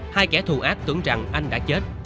hai kẻ thù ác tưởng rằng anh đã chết